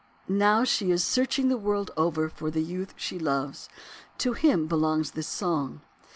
Now she is searching the world over for the youth she loves. To him belongs this song.